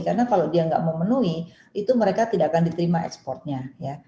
karena kalau dia tidak memenuhi itu mereka tidak akan diterima ekspornya ya